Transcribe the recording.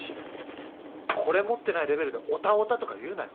これ持ってないレベルでオタオタとか言うなよ。